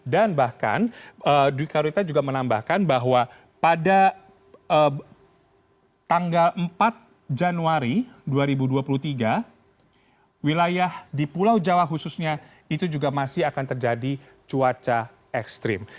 dan bahkan dwi korita juga menambahkan bahwa pada tanggal empat januari dua ribu dua puluh tiga wilayah di pulau jawa khususnya itu juga masih akan terjadi cuaca ekstrim